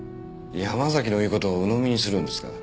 山崎の言う事をうのみにするんですか？